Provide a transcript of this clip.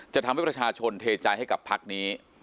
ทำให้ประชาชนเทใจให้กับพักนี้